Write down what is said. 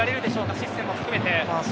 システムを含めて。